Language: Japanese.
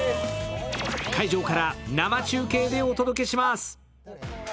会場から生中継でお届けします。